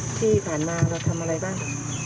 ที่ผ่านมาเราทำอะไรบ้าง